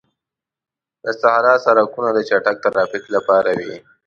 د صحرا سړکونه د چټک ترافیک لپاره وي.